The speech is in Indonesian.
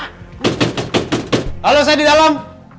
halo saya di dalam